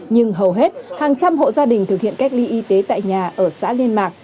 nhưng hầu hết hàng trăm hộ gia đình thực hiện cách ly y tế tại nhà ở xã liên mạc